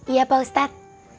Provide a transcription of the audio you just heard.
iya pak ustadz